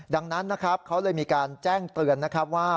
ดังนั้นนะครับเขาเลยมีการแจ้งเตือนนะครับว่า